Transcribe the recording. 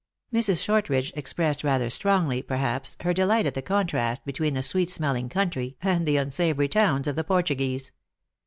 Mrs. Shortridge expressed, rather strongly, perhaps, her delight at the contrast between the sweet smelling country and the unsavory towns of the Portuguese.